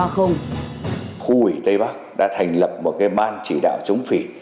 khu ủy tây bắc đã thành lập một ban chỉ đạo chống phỉ